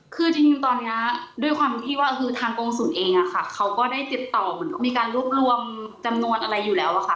คือจริงตอนนี้ด้วยความที่ว่าคือทางกรงศูนย์เองเขาก็ได้ติดต่อเหมือนมีการรวบรวมจำนวนอะไรอยู่แล้วอะค่ะ